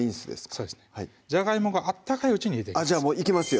そうですねじゃがいもが温かいうちにじゃあいきますよ